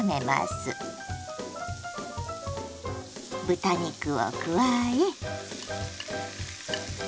豚肉を加え。